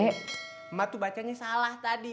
emak tuh bacanya salah tadi